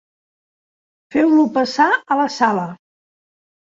Feu-lo passar a la sala.